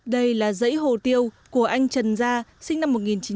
đây là dãy hồ tiêu của anh trần gia sinh năm một nghìn chín trăm bảy mươi bốn